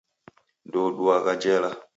Ndouduagha jela.